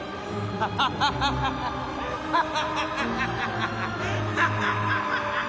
ハハハハハハハッ！